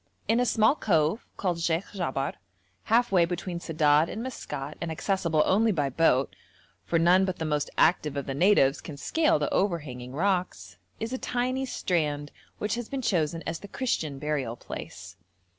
In a small cove, called Sheikh Jabar, half way between Sedad and Maskat, and accessible only by boat (for none but the most active of the natives can scale the overhanging rocks), is a tiny strand which has been chosen as the Christian burial place.